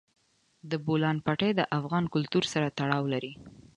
د بولان پټي د افغان کلتور سره تړاو لري.